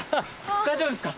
大丈夫ですか？